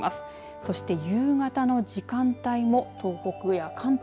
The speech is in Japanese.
そして、夕方の時間帯も東北や関東